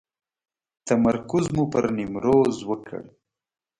تمرکز مو پر نیمروز وکړ.